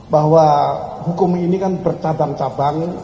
bahwa hukum ini kan bercabang cabang